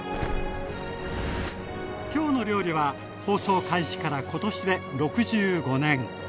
「きょうの料理」は放送開始から今年で６５年。